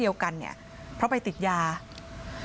พี่น้องของผู้เสียหายแล้วเสร็จแล้วมีการของผู้เสียหาย